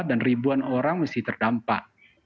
dan ribuan orang mesti terdampak